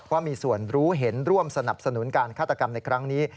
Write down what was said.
ว่ามีส่วนรู้เห็นร่วมสนับสนุนการฆาตกรรมในครั้งนี้